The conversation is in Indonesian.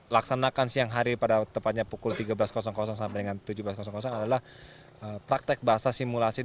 laksanakan siang hari pada tepatnya pukul tiga belas sampai dengan tujuh belas adalah praktek bahasa simulasi